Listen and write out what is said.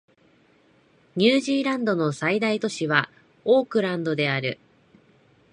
ニュージーランドの最大都市はオークランドである